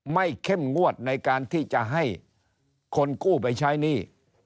เข้มงวดในการที่จะให้คนกู้ไปใช้หนี้